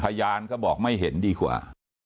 พยานก็บอกไม่เห็นดีกว่า